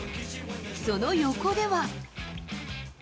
その横では。